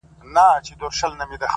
توره تياره ده ما او تا ورك يو.!